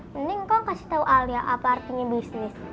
mending kong kasih tau alia apa artinya bisnis